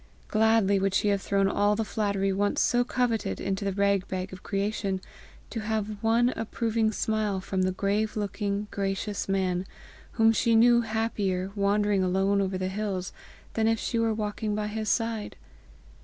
Gladly would she have thrown all the flattery once so coveted into the rag bag of creation, to have one approving smile from the grave looking, gracious man, whom she knew happier, wandering alone over the hills, than if she were walking by his side.